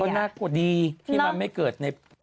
น่ากลัวดีที่มันไม่เกิดใน